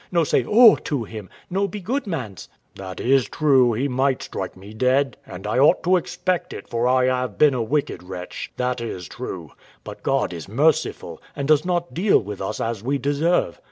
no say O to Him? no be good mans? W.A. That is true, He might strike me dead; and I ought to expect it, for I have been a wicked wretch, that is true; but God is merciful, and does not deal with us as we deserve.